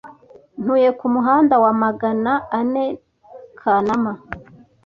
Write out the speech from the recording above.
Ntuye ku Muhanda wa magana aneKanama.